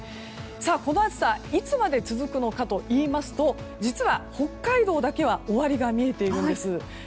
この暑さいつまで続くのかといいますと実は、北海道だけは終わりが見えているんです。